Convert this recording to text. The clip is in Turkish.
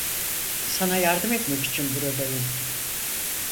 Sana yardım etmek için buradayım.